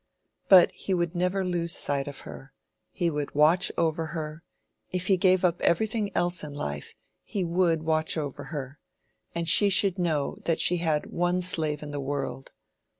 But he would never lose sight of her: he would watch over her—if he gave up everything else in life he would watch over her, and she should know that she had one slave in the world.